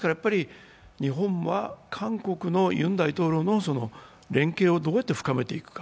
日本は韓国のユン大統領の連携をどうやって深めていくか。